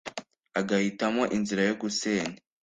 agahitamo inzira yo gusenya